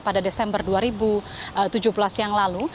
pada desember dua ribu tujuh belas yang lalu